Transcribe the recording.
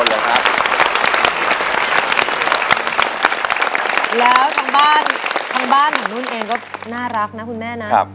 แล้วทางบ้านทางบ้านของนุ่นเองก็น่ารักนะคุณแม่นะ